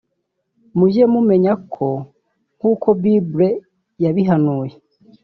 mujye mumenya ko nkuko Bible yabihanuye